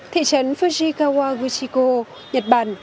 thị trấn fujikawa guchiko nhật bản